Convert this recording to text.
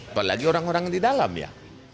apalagi orang orang di dalam ya